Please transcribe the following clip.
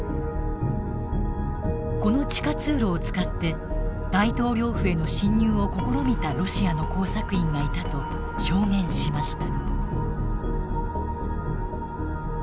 この地下通路を使って大統領府への侵入を試みたロシアの工作員がいたと証言しました。